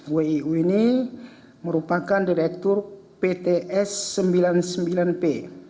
wiu ini merupakan direktur pts sembilan puluh sembilan p